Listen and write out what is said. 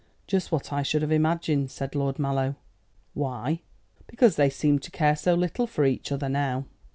"Just what I should have imagined," said Lord Mallow. "Why?" "Because they seem to care so little for each other now."